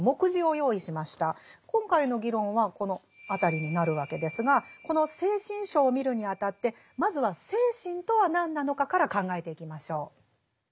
今回の議論はこの辺りになるわけですがこの「精神章」を見るにあたってまずは精神とは何なのかから考えていきましょう。